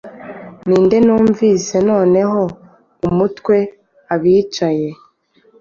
Ninde numvise noneho umutwe-abicaye